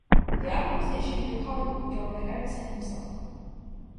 The album was issued with a comic book drawn by Eric San himself.